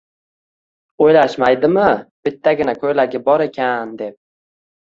Oʻylashmaydimi, bittagina koʻylagi bor ekan, deb